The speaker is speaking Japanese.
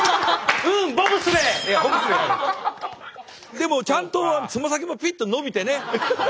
でもちゃんと爪先もピンと伸びてね。